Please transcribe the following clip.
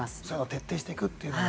徹底していくというのが。